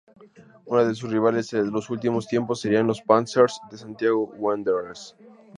Uno de sus rivales de los últimos tiempos serían "Los Panzers" de Santiago Wanderers.